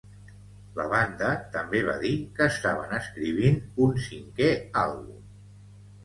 La banda també va dir que estaven escrivint un cinquè àlbum.